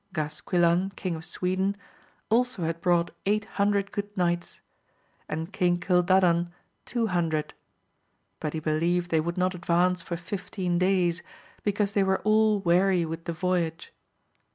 Gasquilan King of Sweden 156 AMADIS OF GAUL. also had brought eight hundred good knights, and King Cildadan two hundred ; but he believed they would not advance for fifteen days, because they were all weary with the voyage.